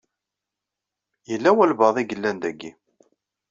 Yella walebɛaḍ i yellan daki.